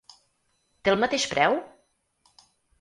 Té el mateix preu?